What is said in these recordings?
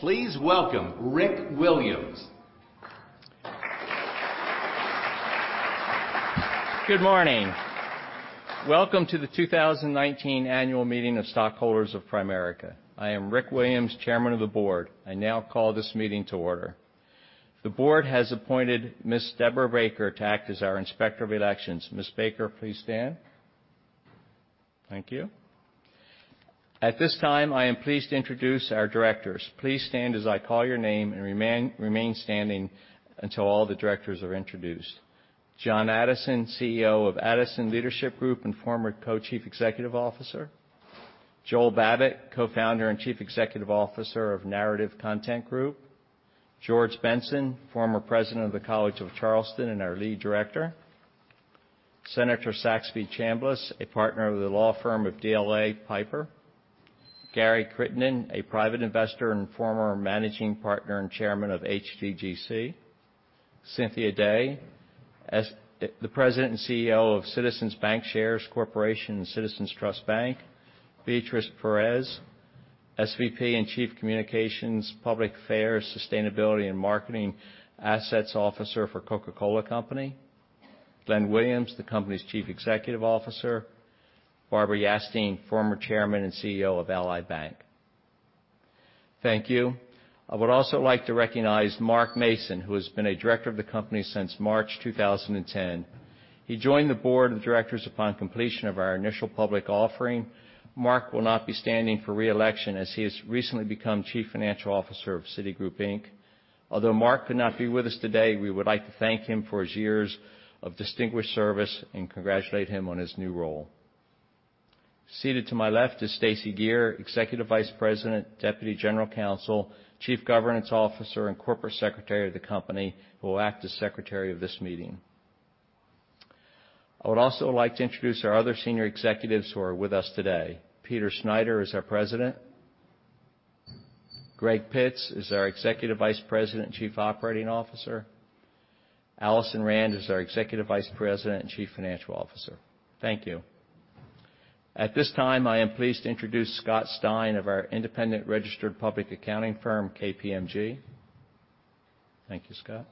Please welcome Rick Williams. Good morning. Welcome to the 2019 annual meeting of stockholders of Primerica. I am Rick Williams, Chairman of the Board. I now call this meeting to order. The Board has appointed Ms. Debra Baker to act as our Inspector of Elections. Ms. Baker, please stand. Thank you. At this time, I am pleased to introduce our directors. Please stand as I call your name and remain standing until all the directors are introduced. John Addison, CEO of Addison Leadership Group and former Co-Chief Executive Officer. Joel Babbit, Co-Founder and Chief Executive Officer of Narrative Content Group. George Benson, former President of the College of Charleston and our Lead Director. Senator Saxby Chambliss, a Partner of the law firm of DLA Piper. Gary Crittenden, a private investor and former Managing Partner and Chairman of HGGC. Cynthia Day, the President and CEO of Citizens Bancshares Corporation and Citizens Trust Bank. Beatriz Perez, SVP and Chief Communications, Public Affairs, Sustainability, and Marketing Assets Officer for The Coca-Cola Company. Glenn Williams, the company's Chief Executive Officer. Barbara Yastine, former Chairman and CEO of Ally Bank. Thank you. I would also like to recognize Mark Mason, who has been a Director of the company since March 2010. He joined the Board of Directors upon completion of our initial public offering. Mark will not be standing for re-election as he has recently become Chief Financial Officer of Citigroup Inc. Although Mark could not be with us today, we would like to thank him for his years of distinguished service and congratulate him on his new role. Seated to my left is Stacey Geer, Executive Vice President, Deputy General Counsel, Chief Governance Officer, and Corporate Secretary of the company, who will act as Secretary of this meeting. I would also like to introduce our other senior executives who are with us today. Peter Schneider is our President. Greg Pitts is our Executive Vice President and Chief Operating Officer. Alison Rand is our Executive Vice President and Chief Financial Officer. Thank you. At this time, I am pleased to introduce Scott Stein of our independent registered public accounting firm, KPMG. Thank you, Scott.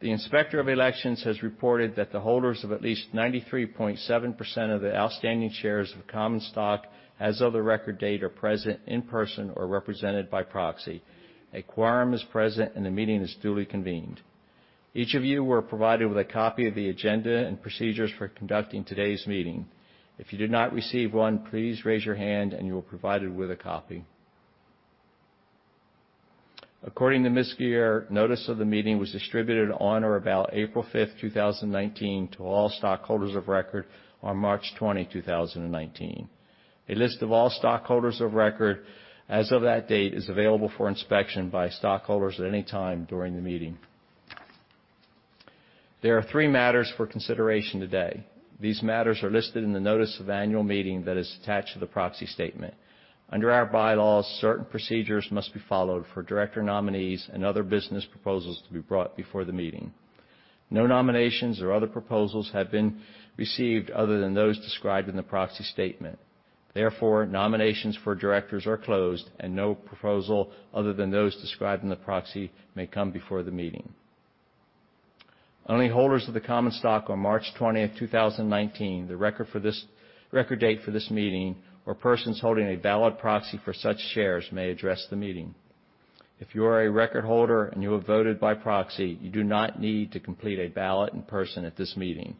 The Inspector of Elections has reported that the holders of at least 93.7% of the outstanding shares of common stock as of the record date are present in person or represented by proxy. A quorum is present, and the meeting is duly convened. Each of you were provided with a copy of the agenda and procedures for conducting today's meeting. If you did not receive one, please raise your hand and you will be provided with a copy. According to Ms. Geer, notice of the meeting was distributed on or about April 5th, 2019, to all stockholders of record on March 20, 2019. A list of all stockholders of record as of that date is available for inspection by stockholders at any time during the meeting. There are three matters for consideration today. These matters are listed in the notice of annual meeting that is attached to the proxy statement. Under our bylaws, certain procedures must be followed for Director nominees and other business proposals to be brought before the meeting. No nominations or other proposals have been received other than those described in the proxy statement. Nominations for directors are closed and no proposal other than those described in the proxy may come before the meeting. Only holders of the common stock on March 20th, 2019, the record date for this meeting, or persons holding a valid proxy for such shares may address the meeting. If you are a record holder and you have voted by proxy, you do not need to complete a ballot in person at this meeting.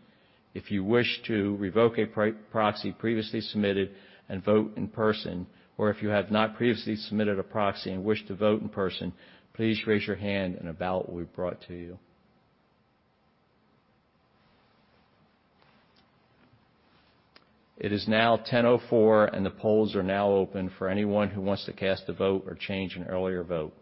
If you wish to revoke a proxy previously submitted and vote in person, or if you have not previously submitted a proxy and wish to vote in person, please raise your hand and a ballot will be brought to you. It is now 10:04 A.M., the polls are now open for anyone who wants to cast a vote or change an earlier vote.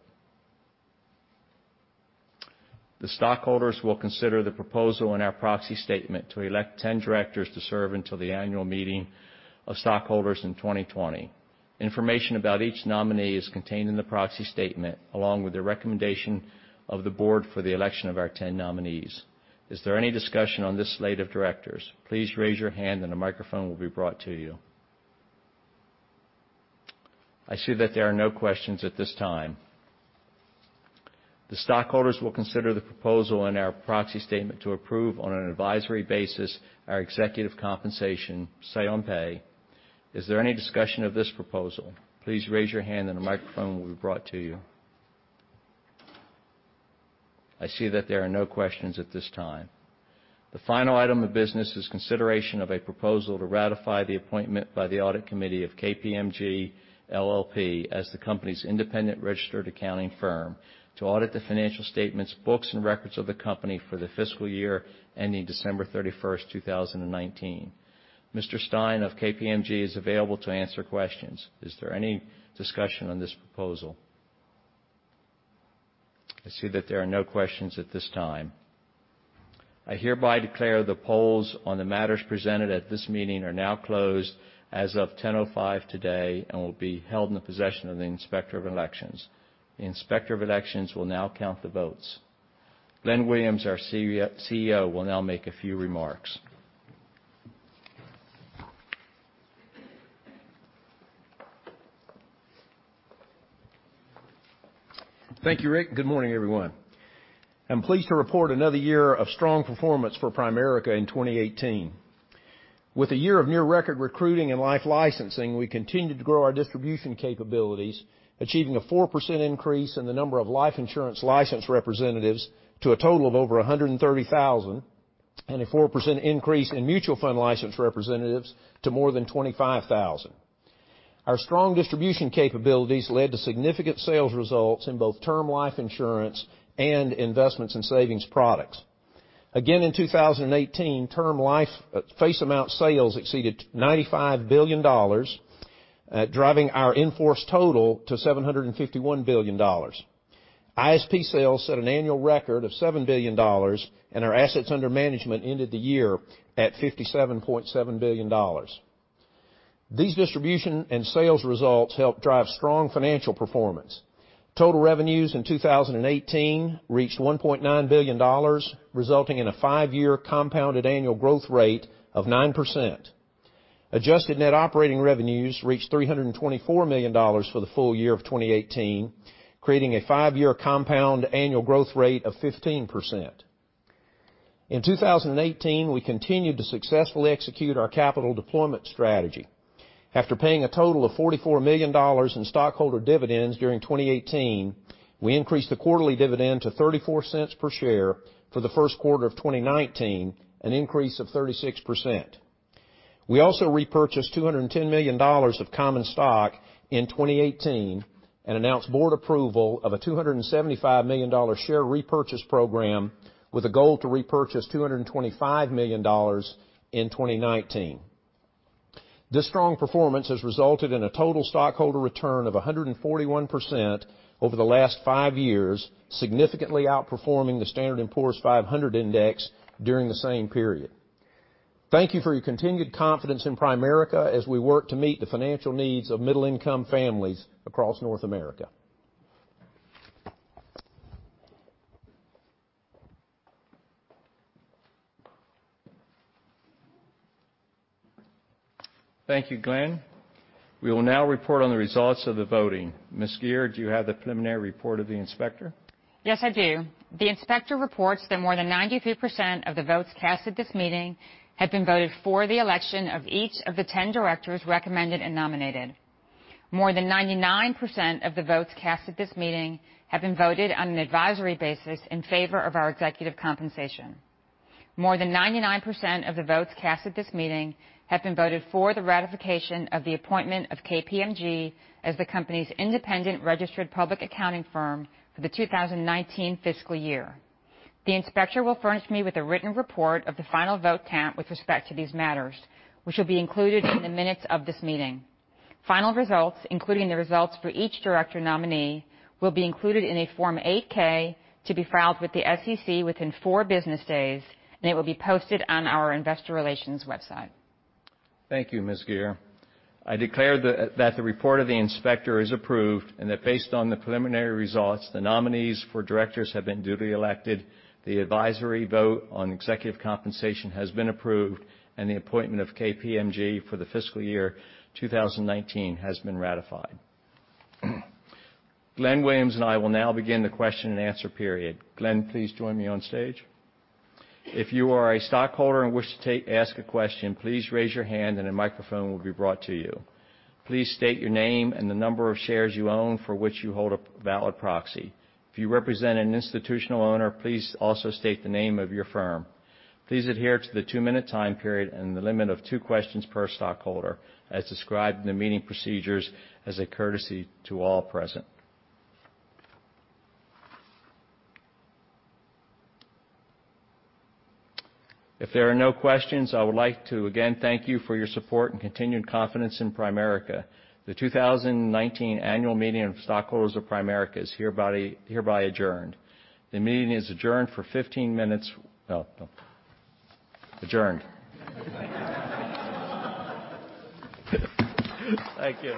The stockholders will consider the proposal in our proxy statement to elect 10 directors to serve until the annual meeting of stockholders in 2020. Information about each nominee is contained in the proxy statement, along with the recommendation of the board for the election of our 10 nominees. Is there any discussion on this slate of directors? Please raise your hand and a microphone will be brought to you. I see that there are no questions at this time. The stockholders will consider the proposal in our proxy statement to approve, on an advisory basis, our executive compensation say on pay. Is there any discussion of this proposal? Please raise your hand and a microphone will be brought to you. I see that there are no questions at this time. The final item of business is consideration of a proposal to ratify the appointment by the audit committee of KPMG LLP as the company's independent registered accounting firm to audit the financial statements, books, and records of the company for the fiscal year ending December 31st, 2019. Mr. Stein of KPMG is available to answer questions. Is there any discussion on this proposal? I see that there are no questions at this time. I hereby declare the polls on the matters presented at this meeting are now closed as of 10:05 A.M. today and will be held in the possession of the Inspector of Elections. The Inspector of Elections will now count the votes. Glenn Williams, our CEO, will now make a few remarks. Thank you, Rick. Good morning, everyone. I'm pleased to report another year of strong performance for Primerica in 2018. With a year of near record recruiting and life licensing, we continued to grow our distribution capabilities, achieving a 4% increase in the number of life insurance licensed representatives to a total of over 130,000, and a 4% increase in Mutual Funds licensed representatives to more than 25,000. Our strong distribution capabilities led to significant sales results in both Term Life Insurance and Investment and Savings Products. Again, in 2018, Term Life face amount sales exceeded $95 billion, driving our in-force total to $751 billion. ISP sales set an annual record of $7 billion, and our assets under management ended the year at $57.7 billion. These distribution and sales results helped drive strong financial performance. Total revenues in 2018 reached $1.9 billion, resulting in a five-year compounded annual growth rate of 9%. Adjusted net operating revenues reached $324 million for the full year of 2018, creating a five-year compound annual growth rate of 15%. In 2018, we continued to successfully execute our capital deployment strategy. After paying a total of $44 million in stockholder dividends during 2018, we increased the quarterly dividend to $0.34 per share for the first quarter of 2019, an increase of 36%. We also repurchased $210 million of common stock in 2018 and announced board approval of a $275 million share repurchase program with a goal to repurchase $225 million in 2019. This strong performance has resulted in a total stockholder return of 141% over the last five years, significantly outperforming the Standard & Poor's 500 index during the same period. Thank you for your continued confidence in Primerica as we work to meet the financial needs of middle-income families across North America. Thank you, Glenn. We will now report on the results of the voting. Ms. Geer, do you have the preliminary report of the inspector? Yes, I do. The inspector reports that more than 93% of the votes cast at this meeting have been voted for the election of each of the 10 directors recommended and nominated. More than 99% of the votes cast at this meeting have been voted on an advisory basis in favor of our executive compensation. More than 99% of the votes cast at this meeting have been voted for the ratification of the appointment of KPMG as the company's independent registered public accounting firm for the 2019 fiscal year. The inspector will furnish me with a written report of the final vote count with respect to these matters, which will be included in the minutes of this meeting. Final results, including the results for each director nominee, will be included in a Form 8-K to be filed with the SEC within four business days. It will be posted on our investor relations website. Thank you, Ms. Geer. I declare that the report of the inspector is approved and that based on the preliminary results, the nominees for directors have been duly elected, the advisory vote on executive compensation has been approved, and the appointment of KPMG for the fiscal year 2019 has been ratified. Glenn Williams and I will now begin the question and answer period. Glenn, please join me on stage. If you are a stockholder and wish to ask a question, please raise your hand and a microphone will be brought to you. Please state your name and the number of shares you own for which you hold a valid proxy. If you represent an institutional owner, please also state the name of your firm. Please adhere to the two-minute time period and the limit of two questions per stockholder as described in the meeting procedures as a courtesy to all present. If there are no questions, I would like to again thank you for your support and continued confidence in Primerica. The 2019 annual meeting of stockholders of Primerica is hereby adjourned. The meeting is adjourned for 15 minutes. Well, no. Adjourned. Thank you.